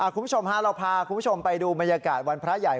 คุณผู้ชมเราพาคุณผู้ชมไปดูบรรยากาศวันพระใหญ่